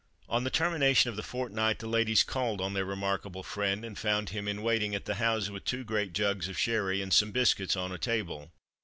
On the termination of the fortnight the ladies called on their remarkable friend, and found him in waiting at the house with two great jugs of sherry and some biscuits on a table.